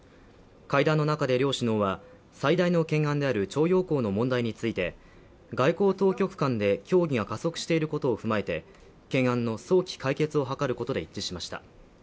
会談の中で両首脳は最大の懸案である徴用工の問題について外交当局間で協議が加速していることを踏まえて懸案の早期解決を図ることで一致しました